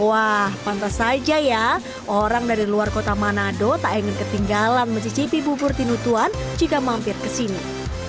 wah pantas saja ya orang dari luar kota manado tak ingin ketinggalan mencicipi bubur tinutuan jika mampir ke sini